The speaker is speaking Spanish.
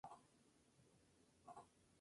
Hermano del famoso actor y cantante Pedro Infante.